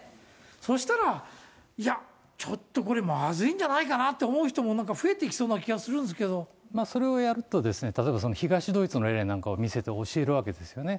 そうしたら、いや、ちょっと、これまずいんじゃないかなって思う人も増えてきそうな気がするんそれをやると、例えば、東ドイツの例なんかを見せて教えるわけですよね。